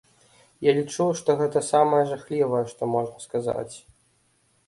Я лічу, што гэта самае жахлівае, што можна сказаць.